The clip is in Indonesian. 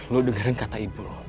lu dengerin kata ibu